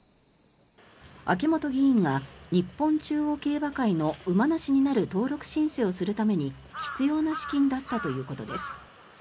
秋本議員が日本中央競馬会の馬主になる登録申請をするために必要な資金だったということです。